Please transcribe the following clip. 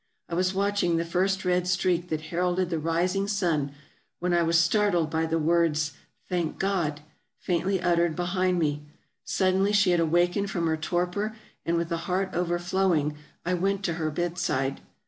I was watching the first red streak that heralded the rising sun, when I was startled by the words " Thank God !" faintly uttered behind me. Suddenly she had awakened from her torpor, and with a heart overflowing I went to her bedside.